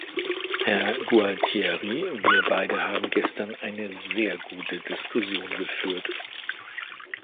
Herr Gualtieri, wir beide haben gestern eine sehr gute Diskussion geführt.